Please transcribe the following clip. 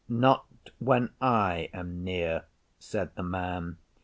'Not when I am near,' said the Man.